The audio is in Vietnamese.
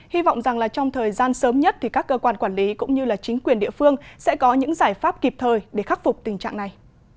hy vọng rằng là trong thời gian sớm nhất thì các cơ quan quản lý cũng như chính quyền địa phương sẽ có những giải pháp kịp thời để khắc phục tình trạng này